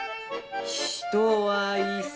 「人はいさ」。